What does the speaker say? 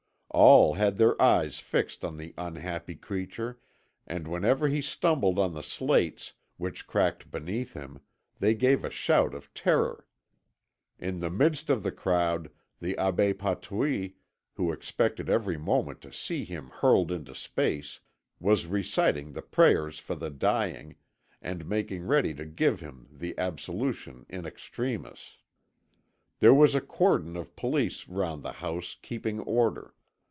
All had their eyes fixed on the unhappy creature, and whenever he stumbled on the slates, which cracked beneath him, they gave a shout of terror. In the midst of the crowd, the Abbé Patouille, who expected every moment to see him hurled into space, was reciting the prayers for the dying, and making ready to give him the absolution in extremis. There was a cordon of police round the house keeping order.